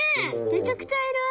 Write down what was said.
めちゃくちゃいる！